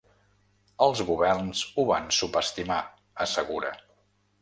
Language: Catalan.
Els governs ho van subestimar, assegura.